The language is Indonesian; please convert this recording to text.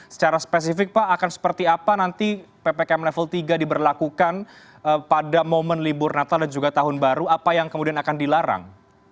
secara spesifik pak akan seperti apa nanti ppkm level tiga diberlakukan pada momen libur natal dan juga tahun baru apa yang kemudian akan dilarang